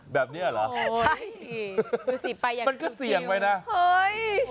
แบบนี้เหรอใช่มันก็เสี่ยงไปนะเฮ้ย